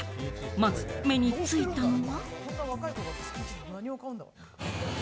まず目についたのは。